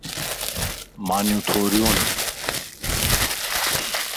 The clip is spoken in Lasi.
مانيون ٿوريون ون.